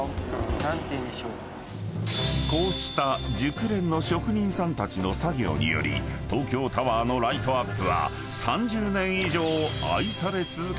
［こうした熟練の職人さんたちの作業により東京タワーのライトアップは］